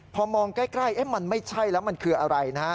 พอมองใกล้มันไม่ใช่แล้วมันคืออะไรนะฮะ